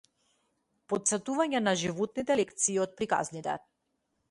Потсетување на животните лекции од приказните